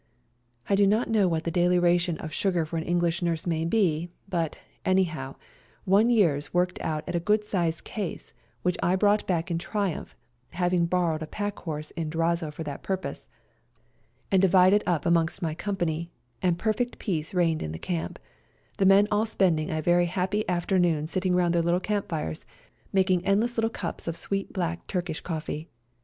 I do not know what the daily ration of sugar for an English nurse may be, but, anyhow, one year's worked out at a good sized case, which I brought back in triumph (having borrowed a pack horse in Durazzo for that purpose) and SERBIAN CHRISTMAS DAY 181 divided up amongst my company, and perfect peace reigned in the camp, the men all spending a very happy afternoon sitting round their little camp fires, making end less little cups of sweet black Turkish coffee.